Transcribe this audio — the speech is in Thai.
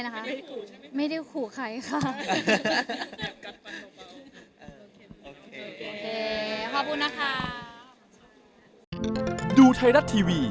ขอบคุณละครับ